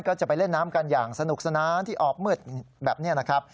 ก็จะไปเล่นน้ำกันอย่างสนุกสนานที่ออกมืดแบบนี้นะครับ